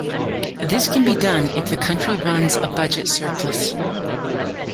This can be done if the country runs a budget surplus.